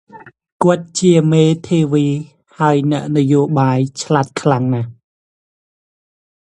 គាត់ជាមេធាវីហើយអ្នកនយោបាយឆ្លាតខ្លាំងណាស់។